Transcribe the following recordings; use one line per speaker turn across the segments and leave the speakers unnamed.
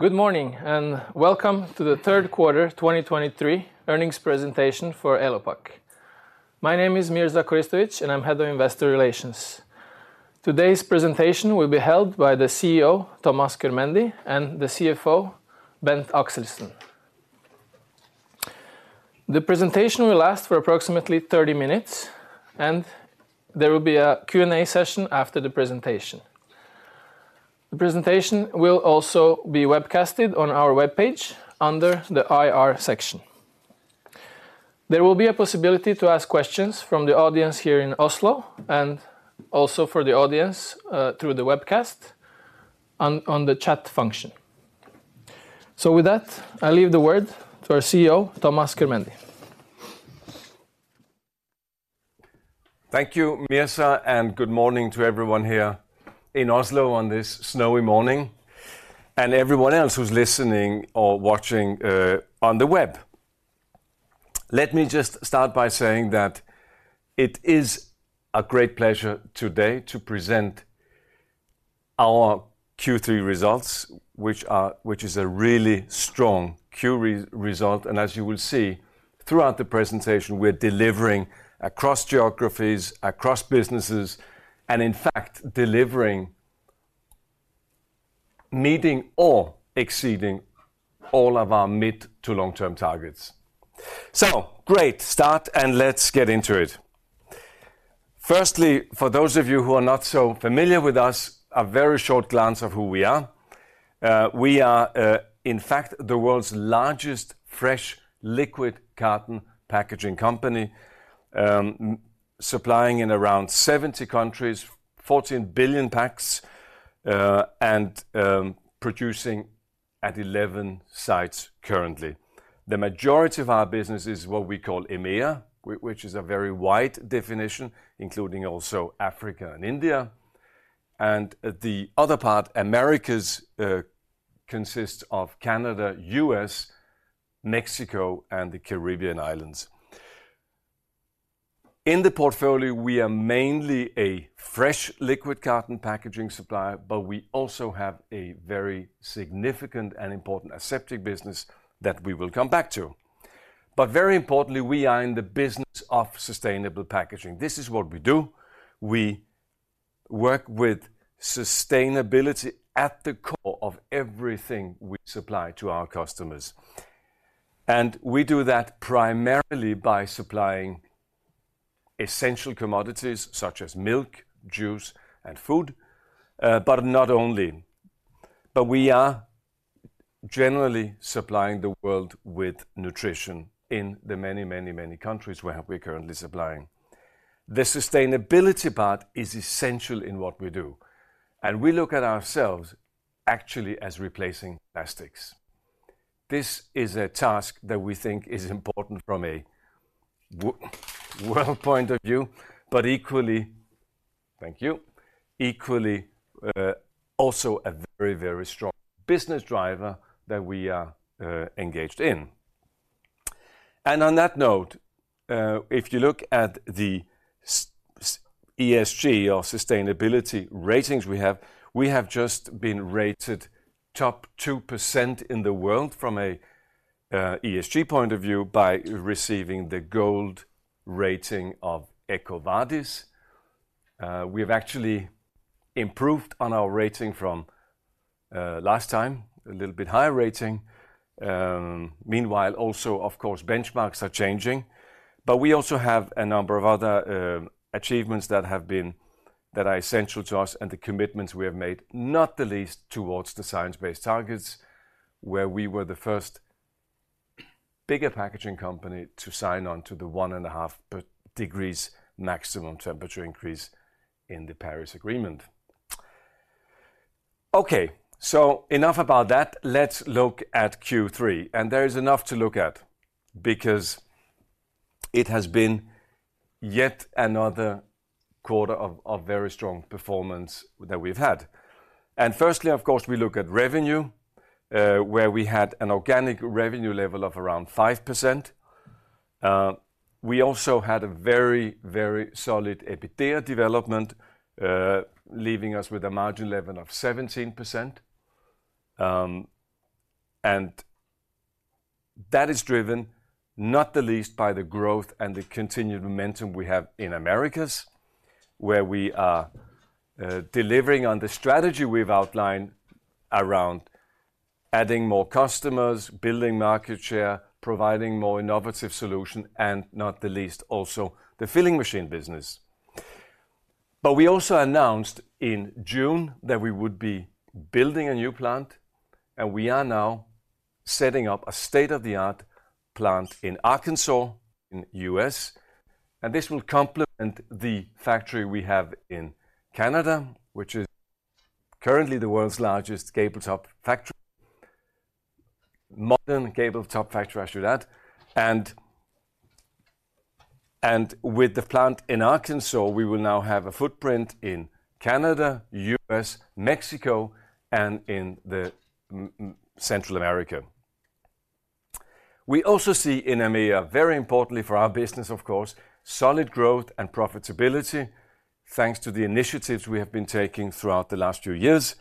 Good morning, and welcome to the Third Quarter 2023 Earnings Presentation for Elopak. My name is Mirza Koristovic, and I'm Head of Investor Relations. Today's presentation will be held by the CEO, Thomas Körmendi, and the CFO, Bent Kilsund Axelsen. The presentation will last for approximately 30 minutes, and there will be a Q&A session after the presentation. The presentation will also be webcast on our webpage under the IR section. There will be a possibility to ask questions from the audience here in Oslo, and also for the audience through the webcast on the chat function. With that, I leave the word to our CEO, Thomas Körmendi.
Thank you, Mirza, and good morning to everyone here in Oslo on this snowy morning, and everyone else who's listening or watching on the web. Let me just start by saying that it is a great pleasure today to present our Q3 results, which are a really strong Q3 result. As you will see, throughout the presentation, we're delivering across geographies, across businesses, and in fact, delivering, meeting, or exceeding all of our mid to long-term targets. Great start, and let's get into it. Firstly, for those of you who are not so familiar with us, a very short glance of who we are. We are, in fact, the world's largest fresh liquid carton packaging company, supplying in around 70 countries, 14 billion packs, and producing at 11 sites currently. The majority of our business is what we call EMEA, which is a very wide definition, including also Africa and India. And the other part, Americas, consists of Canada, U.S., Mexico, and the Caribbean Islands. In the portfolio, we are mainly a fresh liquid carton packaging supplier, but we also have a very significant and important aseptic business that we will come back to. But very importantly, we are in the business of sustainable packaging. This is what we do. We work with sustainability at the core of everything we supply to our customers. And we do that primarily by supplying essential commodities such as milk, juice, and food, but not only. But we are generally supplying the world with nutrition in the many countries where we're currently supplying. The sustainability part is essential in what we do, and we look at ourselves as replacing plastics. This is a task that we think is important from a world point of view. Thank you. Equally, also a very, very strong business driver that we are engaged in. And on that note, if you look at the ESG or sustainability ratings we have, we have just been rated in the top 2% in the world from an ESG point of view by receiving the gold rating of EcoVadis. We've actually improved on our rating from last time, a little bit higher rating. Meanwhile, also, of course, benchmarks are changing, but we also have a number of other achievements that have been, that are essential to us and the commitments we have made, not the least towards the science-based targets, where we were the first bigger packaging company to sign on to the 1.5 degrees maximum temperature increase in the Paris Agreement. Okay, so enough about that. Let's look at Q3, and there is enough to look at because it has been yet another quarter of, of very strong performance that we've had. Firstly, of course, we look at revenue, where we had an organic revenue level of around 5%. We also had a very, very solid EBITDA development, leaving us with a margin level of 17%. And that is driven, not the least, by the growth and the continued momentum we have in Americas, where we are delivering on the strategy we've outlined around adding more customers, building market share, providing more innovative solutions, and not the least, also the filling machine business. But we also announced in June that we would be building a new plant, and we are now setting up a state-of-the-art plant in Arkansas, in the U.S., and this will complement the factory we have in Canada, which is currently the world's largest Gable Top factory, a modern Gable Top factory, I should add. And with the plant in Arkansas, we will now have a footprint in Canada, the U.S., Mexico, and in Central America. We also see in EMEA, very importantly for our business, of course, solid growth and profitability, thanks to the initiatives we have been taking throughout the last few years.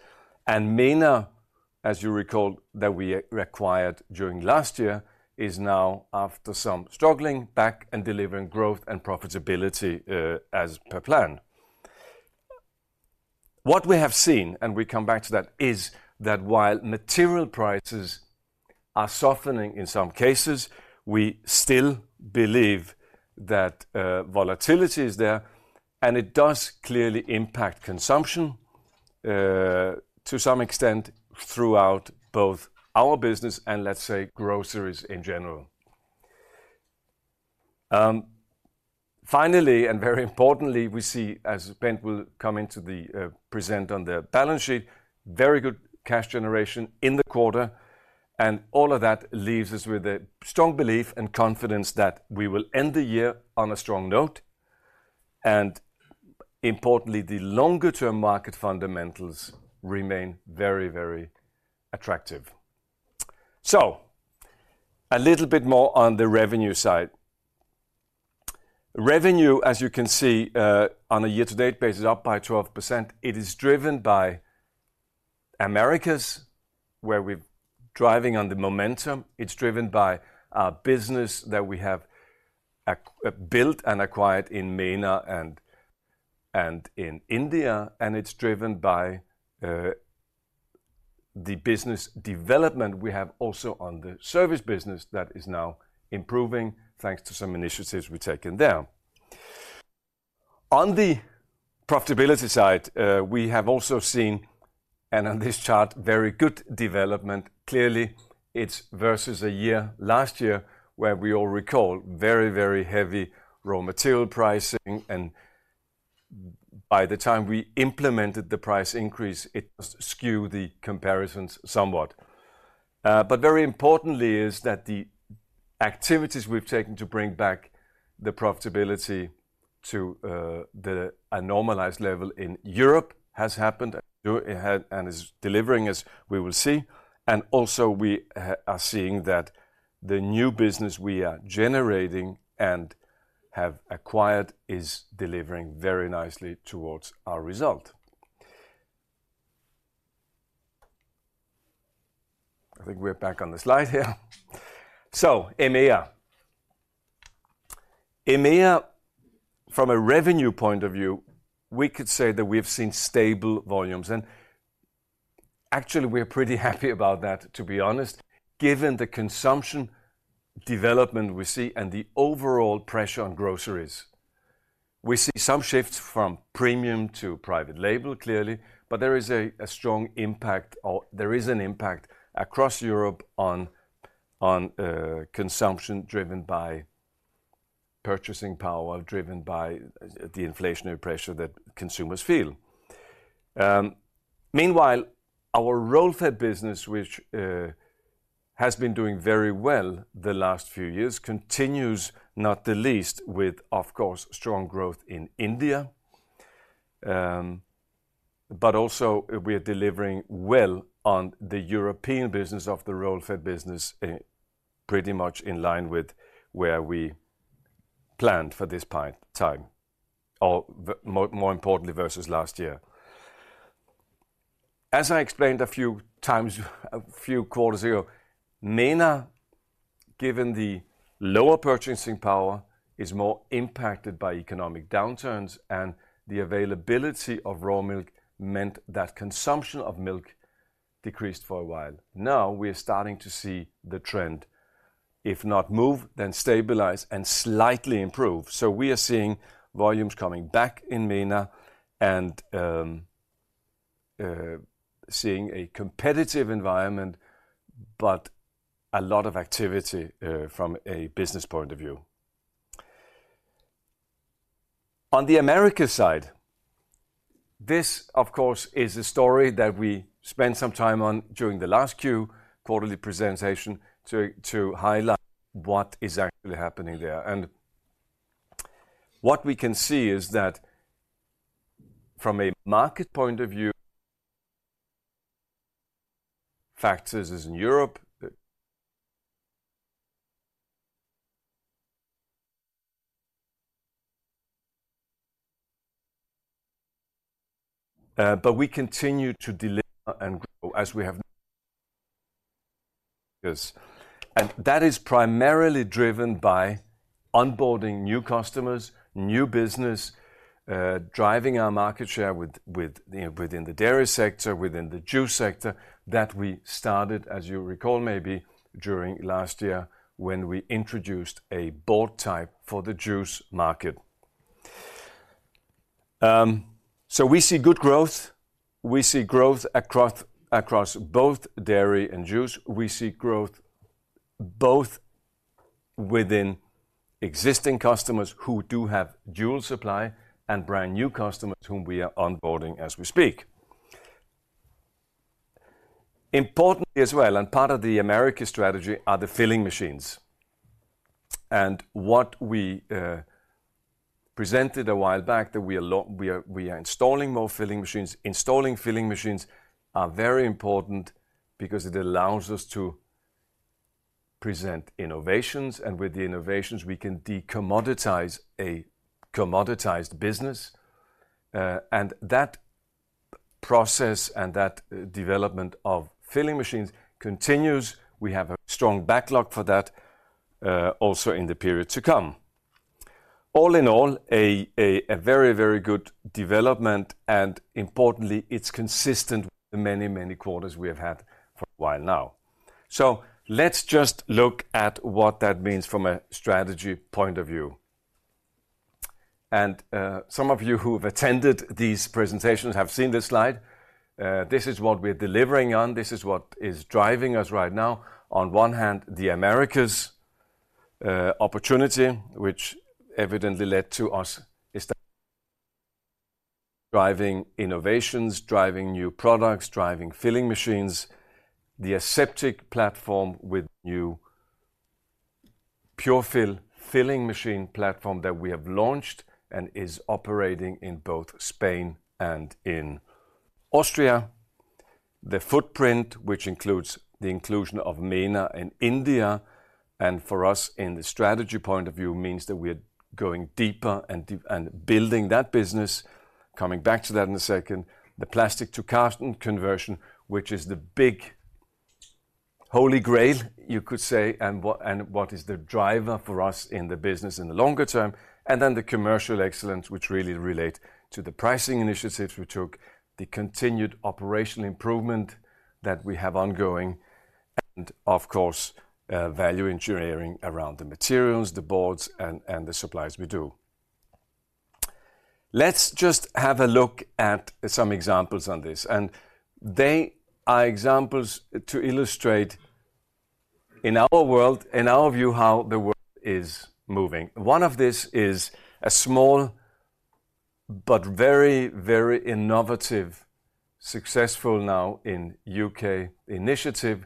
MENA, as you recall, which we acquired during last year, is now, after some struggling, back and delivering growth and profitability, as per plan. What we have seen, and we come back to that, is that while material prices are softening in some cases, we still believe that, volatility is there, and it does clearly impact consumption, to some extent, throughout both our business and, let's say, groceries in general. Finally, and very importantly, we see, as Bent will come into the present on the balance sheet, very good cash generation in the quarter, and all of that leaves us with a strong belief and confidence that we will end the year on a strong note. Importantly, the longer-term market fundamentals remain very, very attractive. A little bit more on the revenue side. Revenue, as you can see, on a year-to-date basis, is up by 12%. It is driven by Americas, where we're driving on the momentum. It's driven by the business that we have built and acquired in MENA and in India, and it's driven by the business development we have also on the service business that is now improving, thanks to some initiatives we've taken there. On the profitability side, we have also seen, and on this chart, very good development. Clearly, it's versus a year, last year, where we all recall very, very heavy raw material pricing, and by the time we implemented the price increase, it skewed the comparisons somewhat. But very importantly, is that the activities we've taken to bring back the profitability to the normalized level in Europe has happened and is delivering, as we will see. And also, we are seeing that the new business we are generating and have acquired is delivering very nicely towards our result. I think we're back on the slide here. So EMEA. EMEA, from a revenue point of view, we could say that we've seen stable volumes, and actually, we're pretty happy about that, to be honest, given the consumption development we see and the overall pressure on groceries. We see some shifts from premium to private label, clearly, but there is a strong impact or there is an impact across Europe on consumption, driven by purchasing power, driven by the inflationary pressure that consumers feel. Meanwhile, our roll-fed business, which has been doing very well the last few years, continues, not the least, with, of course, strong growth in India. But also we are delivering well on the European business of the roll-fed business, pretty much in line with where we planned for this time, or more importantly, versus last year. As I explained a few times, a few quarters ago, MENA, given the lower purchasing power, is more impacted by economic downturns, and the availability of raw milk meant that consumption of milk decreased for a while. Now, we are starting to see the trend, if not move, then stabilize and slightly improve. So we are seeing volumes coming back in MENA and seeing a competitive environment, but a lot of activity from a business point of view. On the Americas side, this, of course, is a story that we spent some time on during the last quarterly presentation to highlight what is actually happening there. And what we can see is that from a market point of view, factors as in Europe, but we continue to deliver and grow as we have. That is primarily driven by onboarding new customers, new business, driving our market share with you know within the dairy sector, within the juice sector, that we started, as you recall, maybe during last year, when we introduced a board type for the juice market. So we see good growth. We see growth across both dairy and juice. We see growth both within existing customers who do have dual supply and brand-new customers whom we are onboarding as we speak. Importantly as well, and part of the Americas strategy, are the filling machines. And what we presented a while back, that we are installing more filling machines. Installing filling machines are very important because it allows us to present innovations, and with the innovations, we can de-commoditize a commoditized business. And that process and that development of filling machines continues. We have a strong backlog for that, also in the period to come. All in all, a very, very good development, and importantly, it's consistent with the many, many quarters we have had for a while now. So let's just look at what that means from a strategy point of view. And some of you who've attended these presentations have seen this slide. This is what we're delivering on. This is what is driving us right now. On one hand, the Americas opportunity, which evidently led to us driving innovations, driving new products, driving filling machines, the aseptic platform with new Pure-Fill filling machine platform that we have launched and is operating in both Spain and in Austria. The footprint, which includes the inclusion of MENA and India, and for us, in the strategy point of view, means that we are going deeper and building that business. Coming back to that in a second. The plastic to carton conversion, which is the big holy grail, you could say, and what is the driver for us in the business in the longer term, and then the commercial excellence, which really relate to the pricing initiatives we took, the continued operational improvement that we have ongoing, and of course, value engineering around the materials, the boards, and the supplies we do. Let's just have a look at some examples on this, and they are examples to illustrate in our world, in our view, how the world is moving. One of this is a small but very, very innovative, successful now in UK initiative,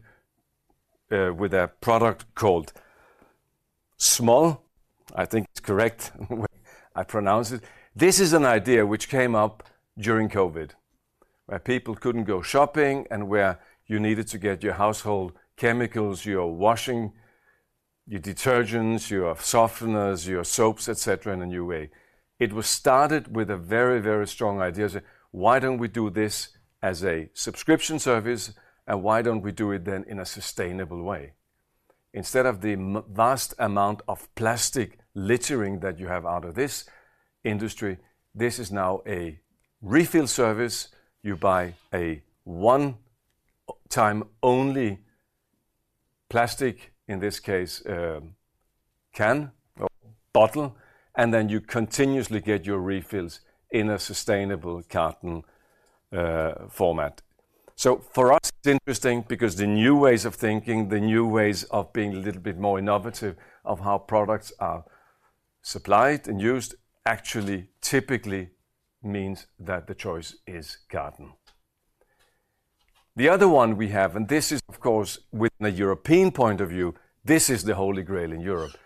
with a product called smol. I think it's correct the way I pronounce it. This is an idea which came up during COVID, where people couldn't go shopping and where you needed to get your household chemicals, your washing, your detergents, your softeners, your soaps, et cetera, in a new way. It was started with a very, very strong idea, say, "Why don't we do this as a subscription service, and why don't we do it then in a sustainable way?" Instead of the vast amount of plastic littering that you have out of this industry, this is now a refill service. You buy a one-time only plastic, in this case, can or bottle, and then you continuously get your refills in a sustainable carton format. So for us, it's interesting because the new ways of thinking, the new ways of being a little bit more innovative of how products are supplied and used, actually typically means that the choice is carton. The other one we have, and this is, of course, from a European point of view, this is the Holy Grail in Europe,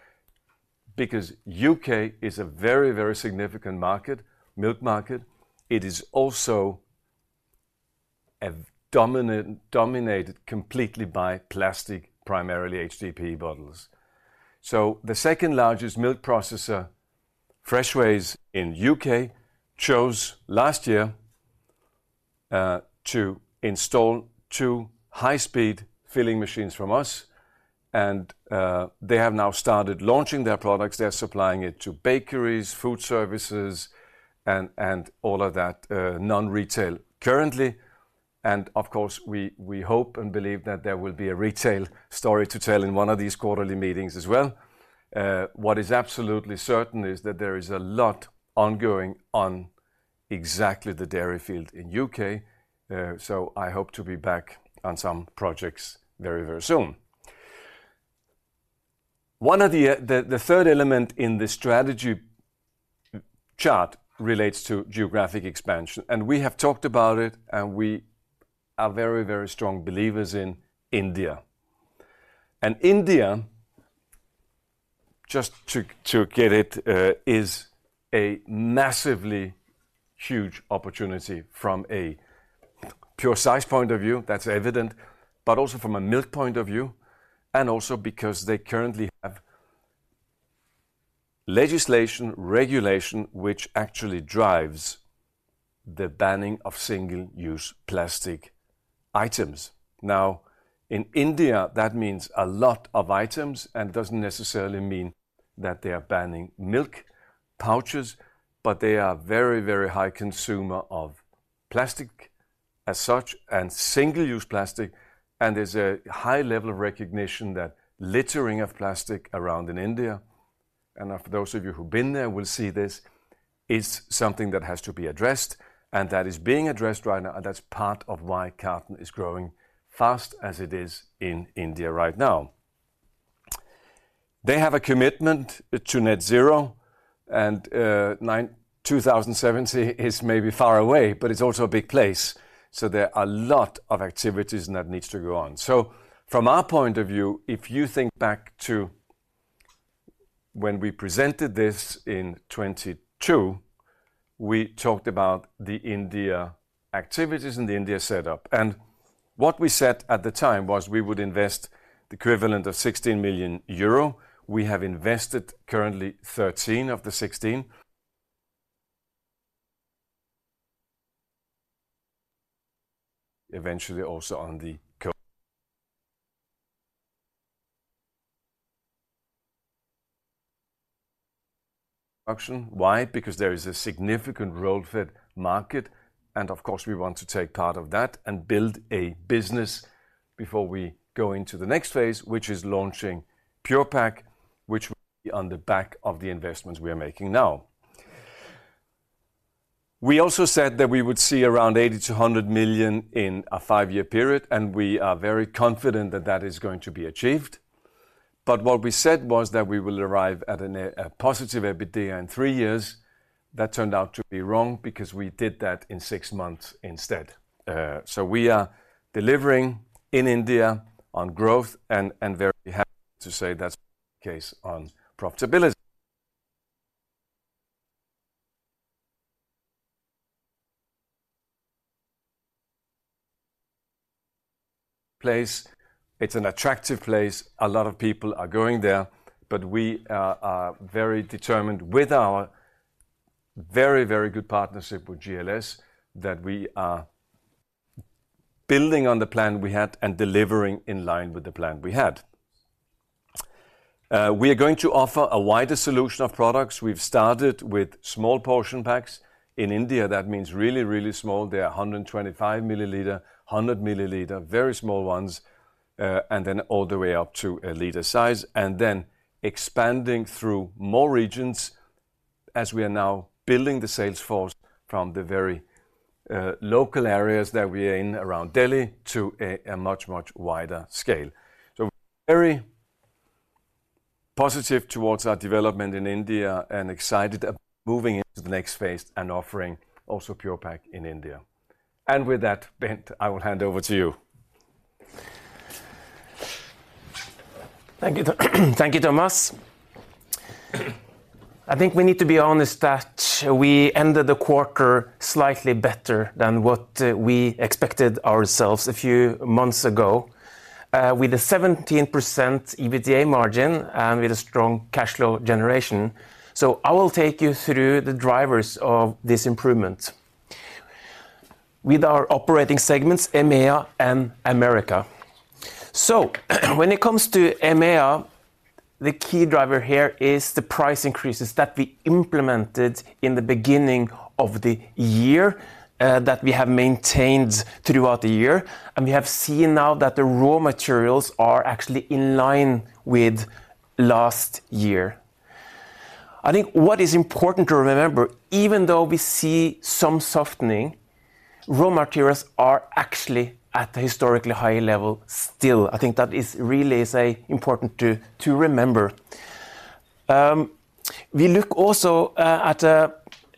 because UK is a very, very significant market, milk market. It is also a dominant, dominated completely by plastic, primarily HDPE bottles. So the second largest milk processor, Freshways in UK, chose last year to install two high-speed filling machines from us, and they have now started launching their products. They are supplying it to bakeries, food services, and all of that non-retail currently. And of course, we hope and believe that there will be a retail story to tell in one of these quarterly meetings as well. What is absolutely certain is that there is a lot ongoing on exactly the dairy field in U.K., so I hope to be back on some projects very, very soon. One of the third element in the strategy chart relates to geographic expansion, and we have talked about it, and we are very, very strong believers in India. And India, just to get it, is a massively huge opportunity from a pure size point of view, that's evident, but also from a milk point of view, and also because they currently have legislation, regulation, which actually drives the banning of single-use plastic items. Now, in India, that means a lot of items, and it doesn't necessarily mean that they are banning milk pouches, but they are very, very high consumer of plastic as such, and single-use plastic, and there's a high level of recognition that littering of plastic around in India, and for those of you who've been there will see this, is something that has to be addressed, and that is being addressed right now, and that's part of why carton is growing fast as it is in India right now. They have a commitment to net-zero and 2070 is maybe far away, but it's also a big place, so there are a lot of activities that needs to go on. So from our point of view, if you think back to when we presented this in 2022, we talked about the India activities and the India setup. What we said at the time was we would invest the equivalent of 16 million euro. We have invested currently 13 million of the 16. Eventually, also on the co-option. Why? Because there is a significant roll-fed market, and of course, we want to take part of that and build a business before we go into the next phase, which is launching Pure-Pak, which will be on the back of the investments we are making now. We also said that we would see around 80 million-100 million in a five-year period, and we are very confident that that is going to be achieved. What we said was that we will arrive at a, a positive EBITDA in three years. That turned out to be wrong because we did that in six months instead. So we are delivering in India on growth and very happy to say that's the case on profitability. India, it's an attractive place. A lot of people are going there, but we are very determined with our very, very good partnership with GLS, that we are building on the plan we had and delivering in line with the plan we had. We are going to offer a wider solution of products. We've started with small portion packs. In India, that means really, really small. They are 125 milliliter, 100 milliliter, very small ones, and then all the way up to a liter size, and then expanding through more regions as we are now building the sales force from the very local areas that we are in around Delhi to a much wider scale. Very positive towards our development in India and excited about moving into the next phase and offering also Pure-Pak in India. With that, Bent, I will hand over to you.
Thank you. Thank you, Thomas. I think we need to be honest that we ended the quarter slightly better than what we expected ourselves a few months ago, with a 17% EBITDA margin and with a strong cash flow generation. So I will take you through the drivers of this improvement. With our operating segments, EMEA and Americas. So when it comes to EMEA, the key driver here is the price increases that we implemented in the beginning of the year, that we have maintained throughout the year, and we have seen now that the raw materials are actually in line with last year. I think what is important to remember, even though we see some softening, raw materials are actually at a historically high level still. I think that really is an important to remember. We look also at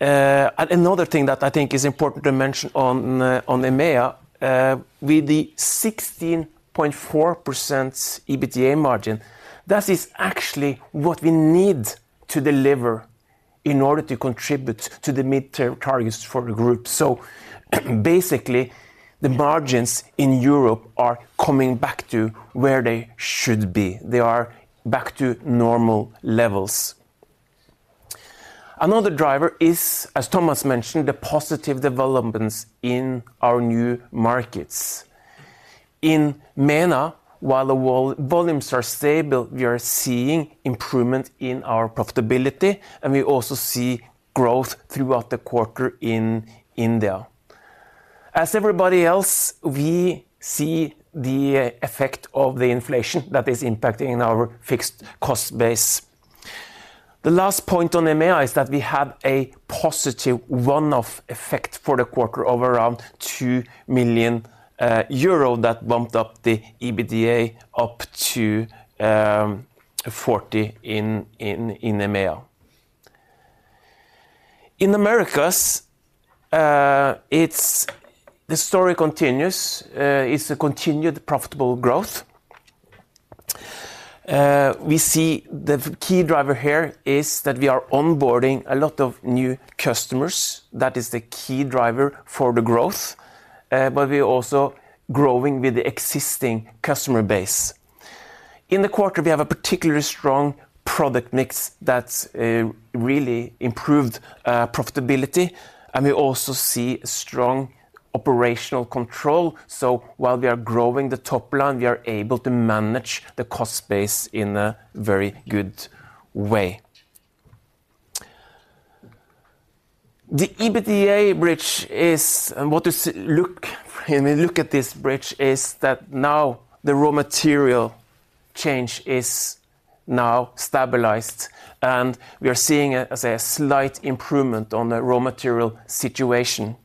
another thing that I think is important to mention on EMEA, with the 16.4% EBITDA margin, that is actually what we need to deliver in order to contribute to the mid-term targets for the group. So basically, the margins in Europe are coming back to where they should be. They are back to normal levels. Another driver is, as Thomas mentioned, the positive developments in our new markets. In MENA, while the overall volumes are stable, we are seeing improvement in our profitability, and we also see growth throughout the quarter in India. As everybody else, we see the effect of the inflation that is impacting in our fixed cost base. The last point on EMEA is that we have a positive one-off effect for the quarter of around 2 million euro that bumped up the EBITDA up to 40 million in EMEA. In Americas, it's the story continues. It's a continued profitable growth. We see the key driver here is that we are onboarding a lot of new customers. That is the key driver for the growth, but we are also growing with the existing customer base. In the quarter, we have a particularly strong product mix that's really improved profitability, and we also see strong operational control. So while we are growing the top line, we are able to manage the cost base in a very good way. The EBITDA bridge is, and what is, look, when we look at this bridge, is that now the raw material change is now stabilized, and we are seeing a, I say, a slight improvement on the raw material situation.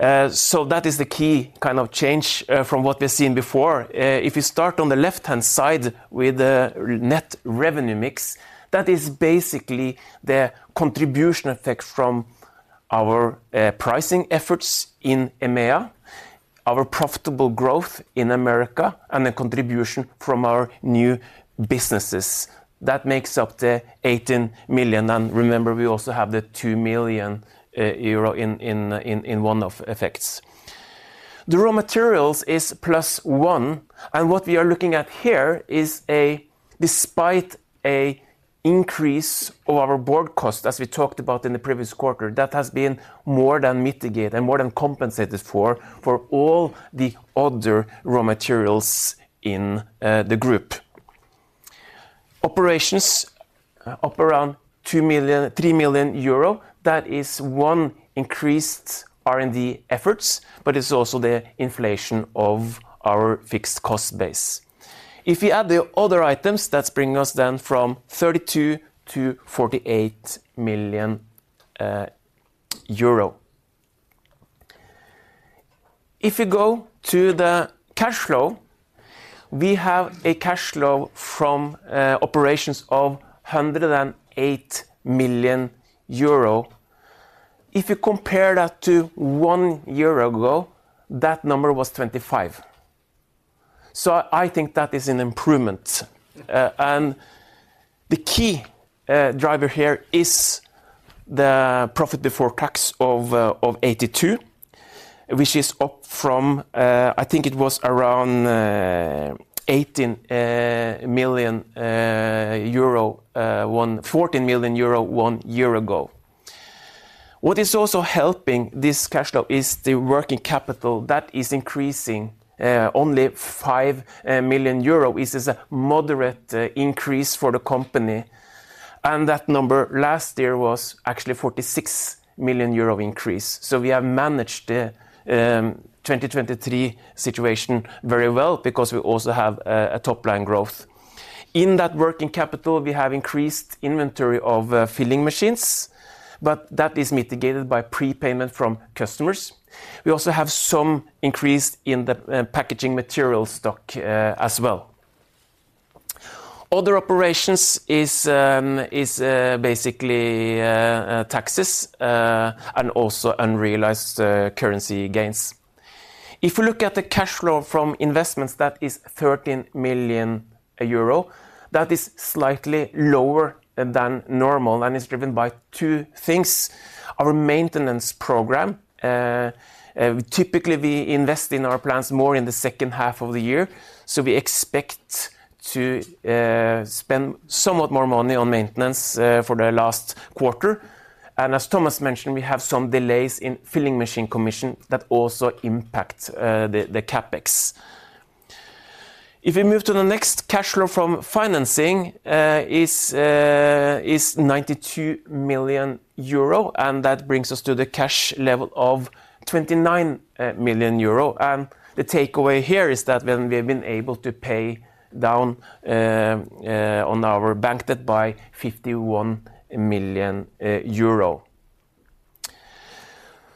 So that is the key kind of change, from what we've seen before. If you start on the left-hand side with the net revenue mix, that is basically the contribution effect from our pricing efforts in EMEA, our profitable growth in America, and the contribution from our new businesses. That makes up the 18 million, and remember, we also have the 2 million euro in one-off effects. The raw materials is +1, and what we are looking at here is a, despite an increase of our board cost, as we talked about in the previous quarter, that has been more than mitigated and more than compensated for, for all the other raw materials in the group. Operations, up around 2 million-3 million euro. That is one increased R&D efforts, but it's also the inflation of our fixed cost base. If you add the other items, that's bringing us then from 32 million-48 million euro. If you go to the cash flow, we have a cash flow from operations of 108 million euro. If you compare that to one year ago, that number was 25. So I think that is an improvement. The key driver here is the profit before tax of 82, which is up from, I think it was around 18 million euro, 14 million euro one year ago. What is also helping this cash flow is the working capital. That is increasing only 5 million euro, which is a moderate increase for the company, and that number last year was actually 46 million euro increase. We have managed the 2023 situation very well because we also have a top-line growth. In that working capital, we have increased inventory of filling machines, but that is mitigated by prepayment from customers. We also have some increase in the packaging material stock as well. Other operations is basically taxes and also unrealized currency gains. If you look at the cash flow from investments, that is 13 million euro. That is slightly lower than normal, and it's driven by two things: Our maintenance program. We typically invest in our plants more in the second half of the year, so we expect to spend somewhat more money on maintenance for the last quarter. And as Thomas mentioned, we have some delays in filling machine commissioning that also impact the CapEx. If we move to the next, cash flow from financing is 92 million euro, and that brings us to the cash level of 29 million euro. And the takeaway here is that when we've been able to pay down on our bank debt by 51 million euro.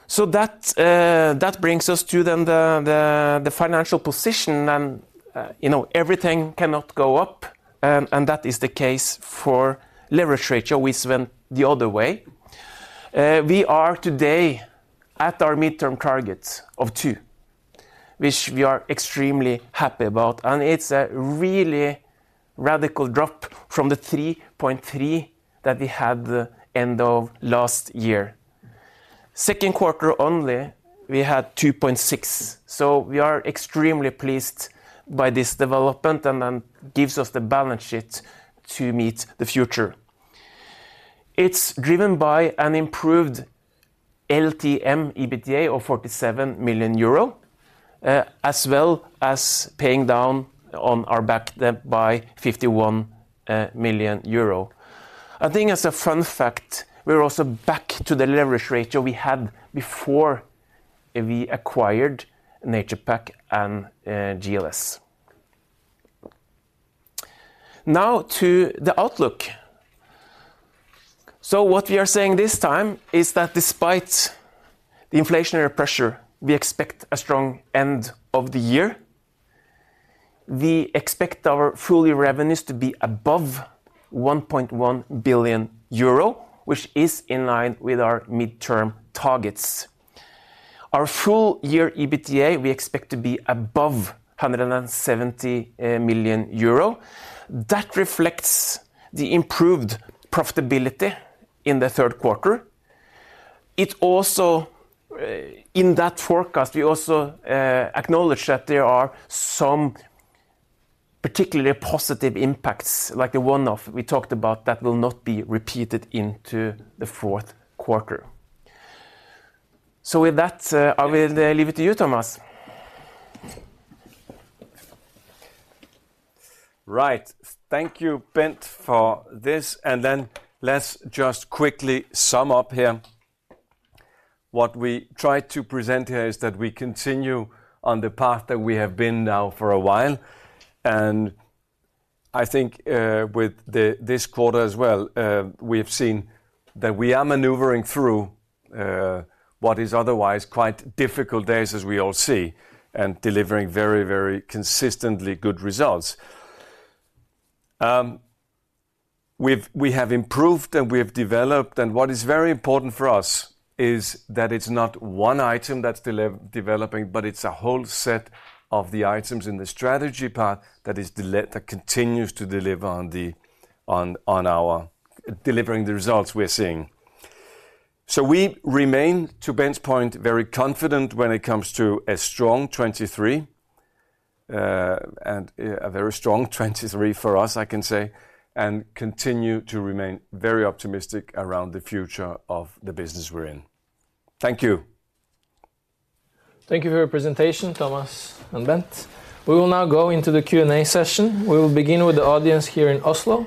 So that, that brings us to then the, the, the financial position and, you know, everything cannot go up, and that is the case for leverage ratio, which went the other way. We are today at our midterm target of 2, which we are extremely happy about, and it's a really radical drop from the 3.3 that we had the end of last year. Second quarter only, we had 2.6, so we are extremely pleased by this development, and then gives us the balance sheet to meet the future. It's driven by an improved LTM EBITDA of 47 million euro, as well as paying down on our bank debt by 51 million euro. I think as a fun fact, we're also back to the leverage ratio we had before we acquired Naturepak and, GLS. Now to the outlook. So what we are saying this time is that despite the inflationary pressure, we expect a strong end of the year. We expect our full-year revenues to be above 1.1 billion euro, which is in line with our midterm targets. Our full-year EBITDA, we expect to be above 170 million euro. That reflects the improved profitability in the third quarter. It also, in that forecast, we also, acknowledge that there are some particularly positive impacts, like the one-off we talked about, that will not be repeated into the fourth quarter. So with that, I will, leave it to you, Thomas.
Right. Thank you, Bent, for this, and then let's just quickly sum up here. What we tried to present here is that we continue on the path that we have been now for a while, and I think, with this quarter as well, we have seen that we are maneuvering through what is otherwise quite difficult days, as we all see, and delivering very, very consistently good results. We have improved, and we have developed, and what is very important for us is that it's not one item that's developing, but it's a whole set of the items in the strategy part that continues to deliver on our delivering the results we're seeing. So we remain, to Bent's point, very confident when it comes to a strong 2023, and a very strong 2023 for us, I can say, and continue to remain very optimistic around the future of the business we're in. Thank you.
Thank you for your presentation, Thomas and Bent. We will now go into the Q&A session. We will begin with the audience here in Oslo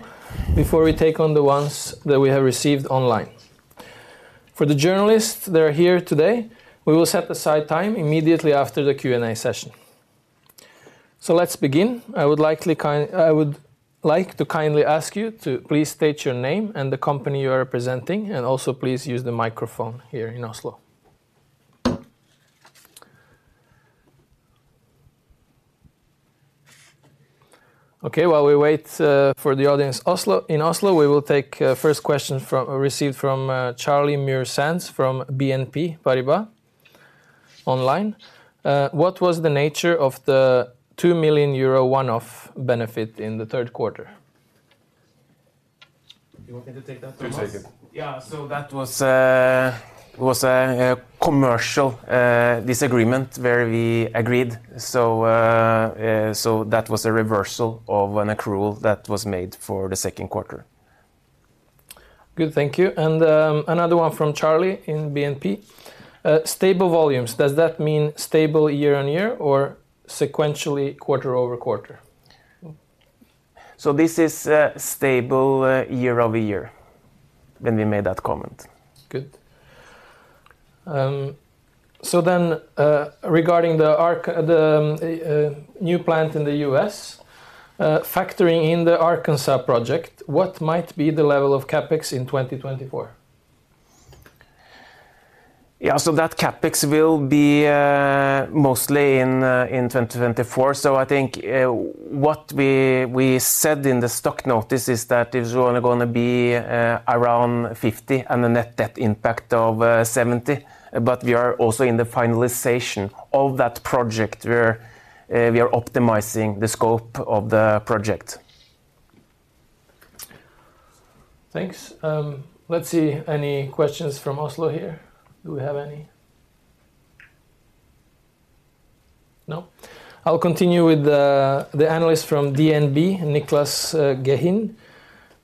before we take on the ones that we have received online. For the journalists that are here today, we will set aside time immediately after the Q&A session. So let's begin. I would like to kindly ask you to please state your name and the company you are representing, and also please use the microphone here in Oslo. Okay, while we wait for the audience, in Oslo, we will take first question received from Charlie Muir-Sands from BNP Paribas online. "What was the nature of the 2 million euro one-off benefit in the third quarter?
You want me to take that, Thomas?
Please take it.
Yeah. So that was a commercial disagreement where we agreed. So that was a reversal of an accrual that was made for the second quarter.
Good, thank you. And, another one from Charlie in BNP: "Stable volumes, does that mean stable year-on-year or sequentially quarter-over-quarter?
This is stable year-over-year when we made that comment.
Good. So then, regarding the new plant in the US, factoring in the Arkansas project, what might be the level of CapEx in 2024?
Yeah, so that CapEx will be mostly in 2024. So I think what we, we said in the stock notice is that it's only gonna be around 50 million and a net debt impact of 70 million, but we are also in the finalization of that project, where we are optimizing the scope of the project.
Thanks. Let's see any questions from Oslo here. Do we have any? No. I'll continue with the analyst from DNB, Niclas Gehin.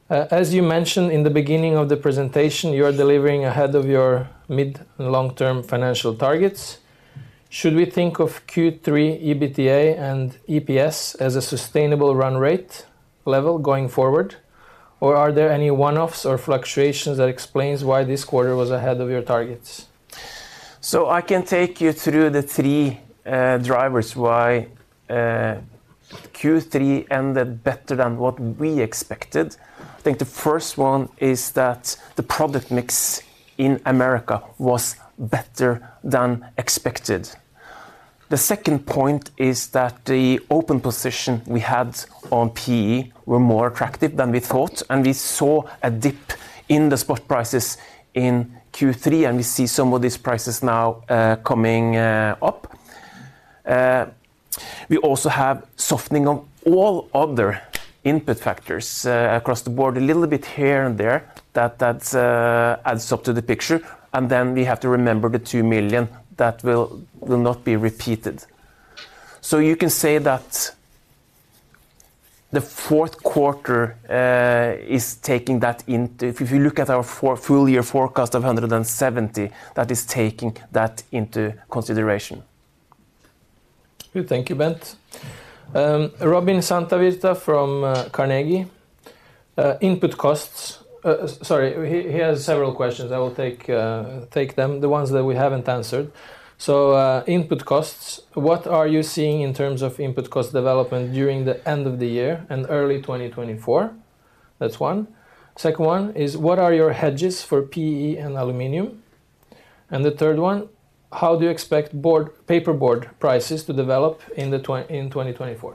As you mentioned in the beginning of the presentation, you are delivering ahead of your mid- and long-term financial targets. Should we think of Q3 EBITDA and EPS as a sustainable run rate level going forward, or are there any one-offs or fluctuations that explains why this quarter was ahead of your targets?
So I can take you through the three drivers why Q3 ended better than what we expected. I think the first one is that the product mix in Americas was better than expected. The second point is that the open position we had on PE were more attractive than we thought, and we saw a dip in the spot prices in Q3, and we see some of these prices now coming up. We also have softening of all other input factors across the board, a little bit here and there, that adds up to the picture. And then we have to remember the 2 million that will not be repeated. So you can say that the fourth quarter is taking that into if you look at our full-year forecast of 170, that is taking that into consideration.
Good. Thank you, Bent. Robin Santavirta from Carnegie, input costs. Sorry, he has several questions. I will take them, the ones that we haven't answered. So, input costs: what are you seeing in terms of input cost development during the end of the year and early 2024? That's one. Second one is: What are your hedges for PE and aluminum? And the third one: How do you expect board paper board prices to develop in 2024?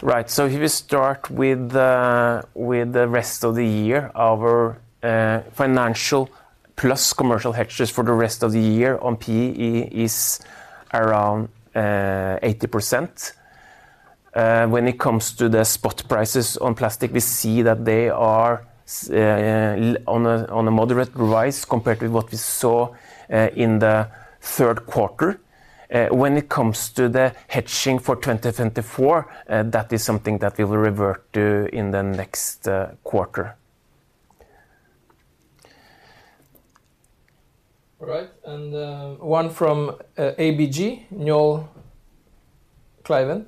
Right. So if you start with the rest of the year, our financial plus commercial hedges for the rest of the year on PE is around 80%. When it comes to the spot prices on plastic, we see that they are on a moderate rise compared to what we saw in the third quarter. When it comes to the hedging for 2024, that is something that we will revert to in the next quarter.
All right, one from ABG, Noel Kjærhus: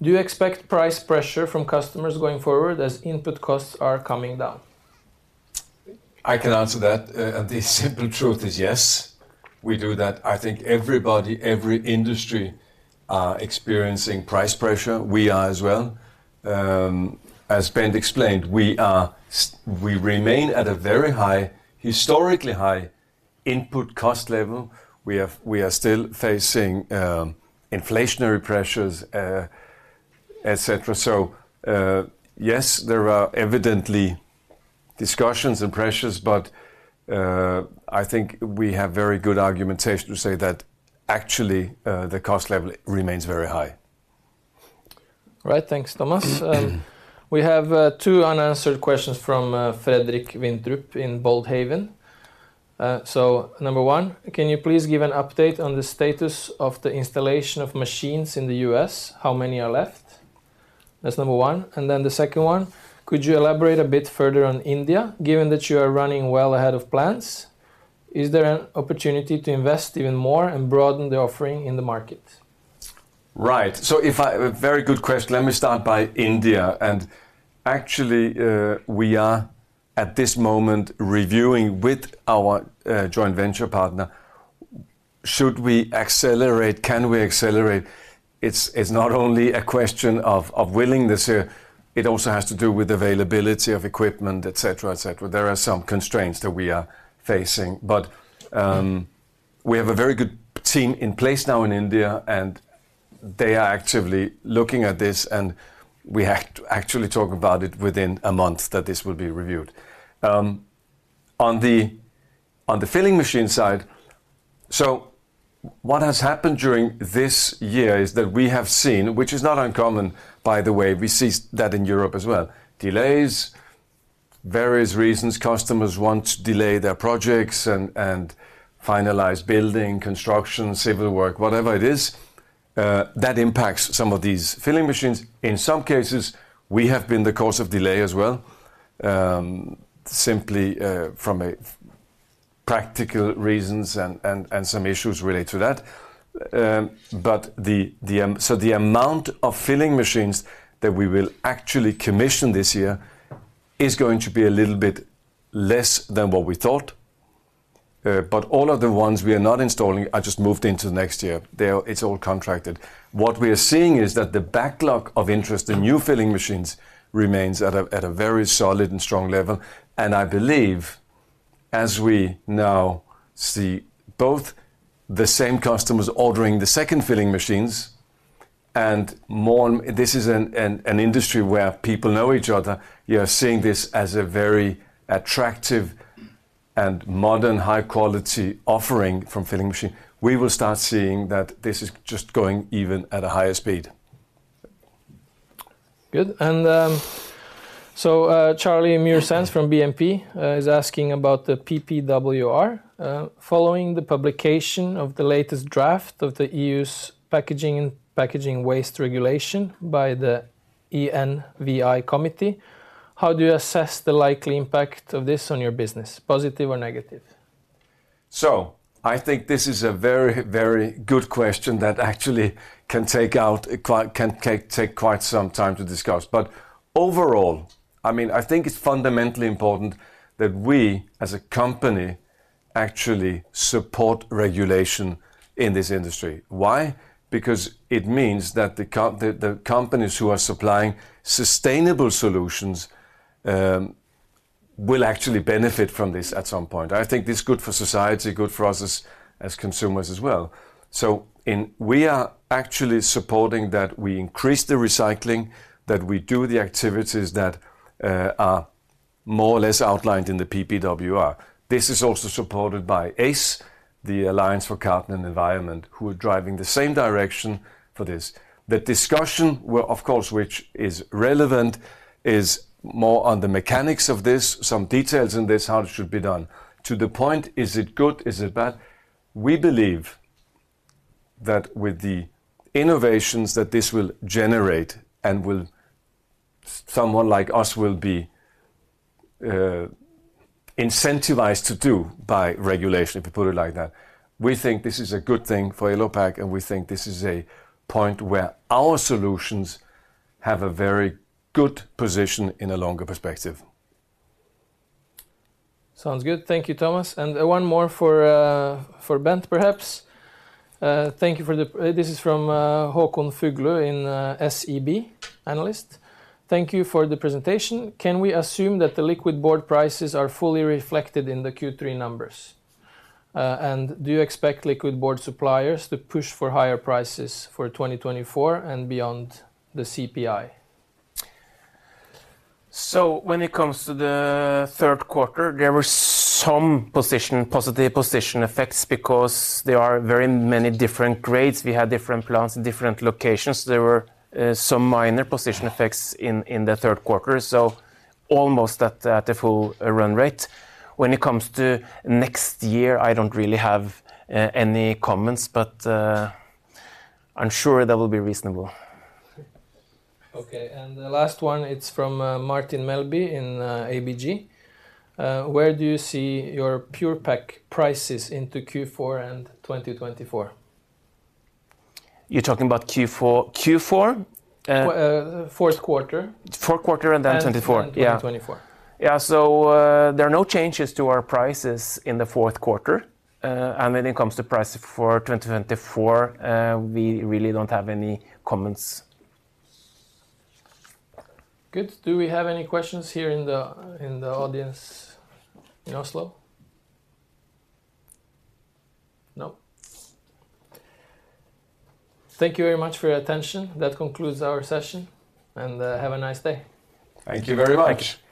Do you expect price pressure from customers going forward as input costs are coming down?
I can answer that. And the simple truth is, yes, we do that. I think everybody, every industry are experiencing price pressure. We are as well. As Bent explained, we remain at a very high, historically high input cost level. We are still facing inflationary pressures, et cetera. So, yes, there are evidently discussions and pressures, but, I think we have very good argumentation to say that actually, the cost level remains very high.
Right. Thanks, Thomas. We have two unanswered questions from Fredrik Wandrup in Boldhaven. So number one: Can you please give an update on the status of the installation of machines in the US? How many are left? That's number one. And then the second one: Could you elaborate a bit further on India, given that you are running well ahead of plans? Is there an opportunity to invest even more and broaden the offering in the market?
Right. Very good question. Let me start by India. And actually, we are, at this moment, reviewing with our, joint venture partner, should we accelerate? Can we accelerate? It's not only a question of willingness here, it also has to do with availability of equipment, et cetera, et cetera. There are some constraints that we are facing, but, we have a very good team in place now in India, and they are actively looking at this, and we actually talk about it within a month, that this will be reviewed. On the filling machine side, so what has happened during this year is that we have seen, which is not uncommon by the way, we see that in Europe as well, delays, various reasons. Customers want to delay their projects and finalize building, construction, civil work, whatever it is, that impacts some of these filling machines. In some cases, we have been the cause of delay as well, simply from a practical reasons and some issues related to that. But so the amount of filling machines that we will actually commission this year is going to be a little bit less than what we thought. But all of the ones we are not installing are just moved into next year. It's all contracted. What we are seeing is that the backlog of interest in new filling machines remains at a very solid and strong level, and I believe, as we now see, both the same customers ordering the second filling machines and more. This is an industry where people know each other. You are seeing this as a very attractive and modern, high quality offering from filling machine. We will start seeing that this is just going even at a higher speed.
Good. And Charlie Muir-Sands from BNP is asking about the PPWR. "Following the publication of the latest draft of the EU's packaging, Packaging Waste Regulation by the ENVI committee, how do you assess the likely impact of this on your business, positive or negative?
So I think this is a very, very good question that actually can take quite some time to discuss. But overall, I mean, I think it's fundamentally important that we, as a company, actually support regulation in this industry. Why? Because it means that the companies who are supplying sustainable solutions will actually benefit from this at some point. I think this is good for society, good for us as consumers as well. So we are actually supporting that we increase the recycling, that we do the activities that are more or less outlined in the PPWR. This is also supported by ACE, the Alliance for Carton and Environment, who are driving the same direction for this. The discussion, well, of course, which is relevant, is more on the mechanics of this, some details in this, how it should be done. To the point, is it good, is it bad? We believe that with the innovations that this will generate and will, someone like us will be, incentivized to do by regulation, if you put it like that. We think this is a good thing for Elopak, and we think this is a point where our solutions have a very good position in a longer perspective.
Sounds good. Thank you, Thomas. And, one more for Bent, perhaps. This is from Håkon Fuglu in SEB, analyst. "Thank you for the presentation. Can we assume that the liquid board prices are fully reflected in the Q3 numbers? And do you expect liquid board suppliers to push for higher prices for 2024 and beyond the CPI?
So when it comes to the third quarter, there were some positive position effects because there are very many different grades. We have different plants in different locations. There were some minor position effects in the third quarter, so almost at a full run rate. When it comes to next year, I don't really have any comments, but I'm sure that will be reasonable.
Okay, and the last one, it's from Martin Melbye in ABG. "Where do you see your Pure-Pak prices into Q4 and 2024?
Fourth quarter, and then 2024. There are no changes to our prices in the fourth quarter. And when it comes to pricing for 2024, we really don't have any comments.
Good. Do we have any questions here in the audience in Oslo? No. Thank you very much for your attention. That concludes our session, and have a nice day.
Thank you very much!
Thank you.